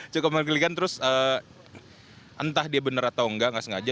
cukup menggelikan terus entah dia benar atau enggak enggak sengaja